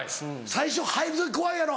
最初入る時怖いやろ。